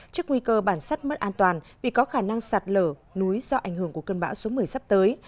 trước nguy cơ bản sắt mất an toàn vì có khả năng sạt lở núi do ảnh hưởng của cơn bão số một mươi sắp tới